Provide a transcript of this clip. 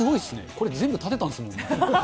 これ全部建てたんですもんね。